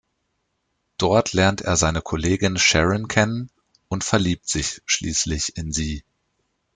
Dort lernt er seine Kollegin Sharon kennen und verliebt sich schließlich in sie.